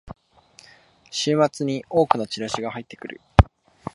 週末に多くのチラシが入ってくる